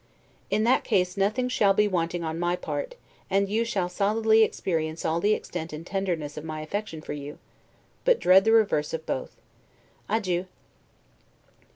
In that case nothing shall be wanting on my part, and you shall solidly experience all the extent and tenderness of my affection for you; but dread the reverse of both! Adieu!